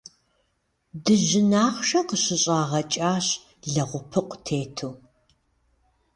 Дыжьын ахъшэ къыщыщӏагъэкӏащ лэгъупыкъу тету.